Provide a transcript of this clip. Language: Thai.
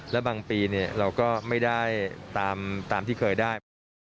และบางปีเราก็ไม่ได้ตามที่เคยได้มา